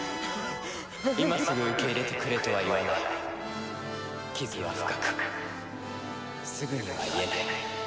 「今すぐ受け入れてくれとは言わない」「傷は深くすぐには癒えない」